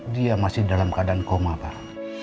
dia masih dalam keadaan koma pak